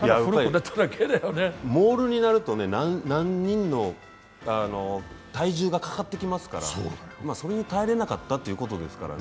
モールになると何人もの体重がかかってきますからそれに耐えられなかったということですからね。